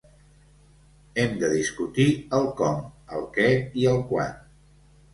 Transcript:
Hem de discutir el com, el què i el quan.